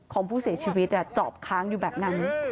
ของผู้เสียชีวิตจอบค้างอยู่แบบนั้น